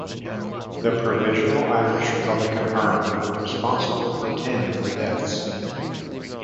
The Provisional Irish Republican Army were responsible for ten of the deaths.